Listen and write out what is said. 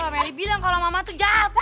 melly bilang kalau mama tuh jahat